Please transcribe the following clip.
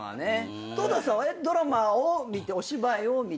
トータスさんはドラマを見てお芝居を見て？